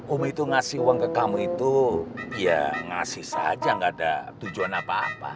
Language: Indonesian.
umi itu ngasih uang ke kamu itu ya ngasih saja gak ada tujuan apa apa